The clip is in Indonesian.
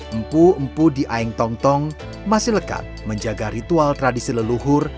empu empu di aeng tong tong masih lekat menjaga ritual tradisi leluhur